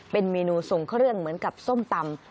เป็นเมนูส่งเครื่องเหมือนกับส้มตำ